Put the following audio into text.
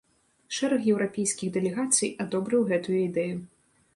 Шэраг еўрапейскіх дэлегацый адобрыў гэтую ідэю.